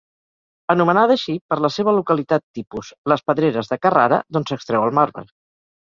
Anomenada així per la seva localitat tipus: les pedreres de Carrara d’on s’extreu el marbre.